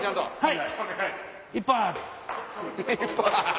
はい。